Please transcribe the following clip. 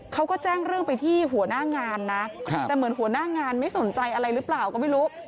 เขาก็แจ้งเรื่องไปที่หัวหน้างานนะแต่เหมือนหัวหน้างานไม่สนใจอะไรหรือเปล่าก็ไม่รู้